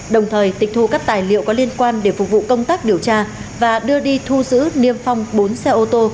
đồng thời tịch thu các tài liệu có liên quan để phục vụ công tác điều tra và đưa đi thu giữ niêm phong bốn xe ô tô